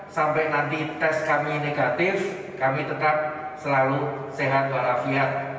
sampai nanti tes kami negatif kami tetap selalu sehat walafiat